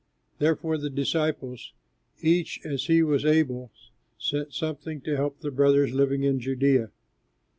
Therefore, the disciples, each as he was able, sent something to help the brothers living in Judea.